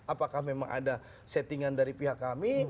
apakah memang ada settingan dari pihak kami